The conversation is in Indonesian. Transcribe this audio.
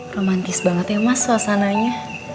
romantis banget ya mas suasananya